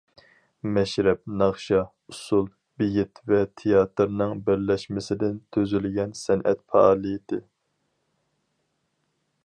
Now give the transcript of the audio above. مەشرەپ ناخشا، ئۇسسۇل، بېيىت ۋە تىياتىرنىڭ بىرلەشمىسىدىن تۈزۈلگەن سەنئەت پائالىيىتى.